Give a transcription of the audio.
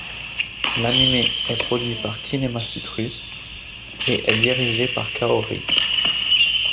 L'anime est produit par Kinema Citrus et est dirigé par Kaori.